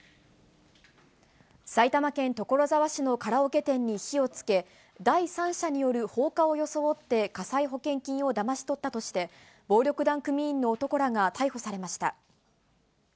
埼玉県所沢市のカラオケ店に火をつけ、第三者による放火を装って火災保険金をだまし取ったとして、暴力団組員の男らが逮捕されました。